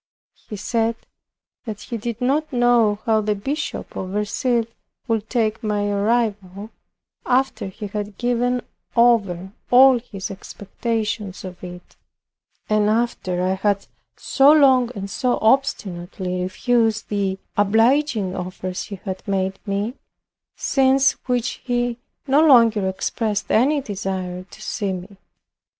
He said that he did not know how the Bishop of Verceil would take my arrival, after he had given over all his expectations of it, and after I had so long, and so obstinately, refused the obliging offers he had made me; since which he no longer expressed any desire to see me.